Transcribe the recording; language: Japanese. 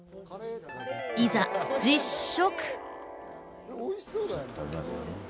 いざ実食。